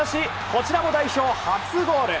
こちらも代表初ゴール。